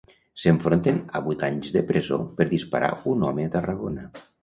S'enfronten a vuit anys de presó per disparar un home a Tarragona.